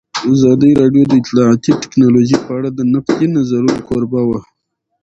ازادي راډیو د اطلاعاتی تکنالوژي په اړه د نقدي نظرونو کوربه وه.